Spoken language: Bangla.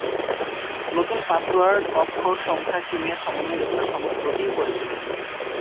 নতুন পাসওয়ার্ড অক্ষর, সংখ্যা, চিহ্নের সমন্বয়ে যতটা সম্ভব জটিল করে তুলুন।